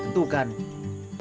kedatangan yang bisa ditentukan